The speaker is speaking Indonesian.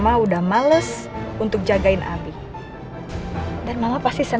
aku harus bikin perhitungan sama reva